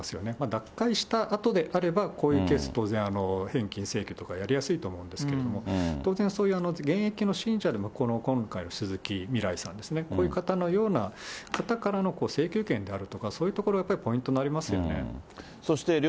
脱会したあとであれば、こういうケース、返金請求とかやりやすいと思うんですけど、当然、そういう現役の信者でも、今回の鈴木未来さんですね、こういう方のような方からの請求権であるとか、そういうところがやっぱりポイントになりますよね。